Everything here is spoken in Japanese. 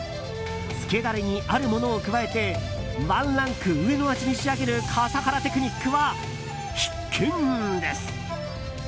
つけダレにあるものを加えてワンランク上の味に仕上げる笠原テクニックは必見です。